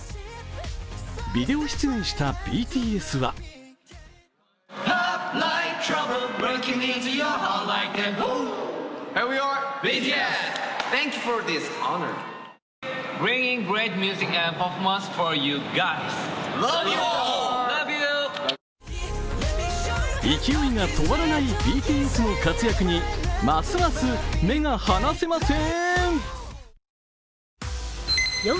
ビデオ出演したＢＴＳは勢いが止まらないＢＴＳの活躍にますます目が離せません。